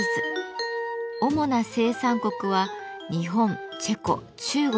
主な生産国は日本チェコ中国